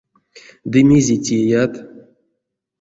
Ды мезе теят?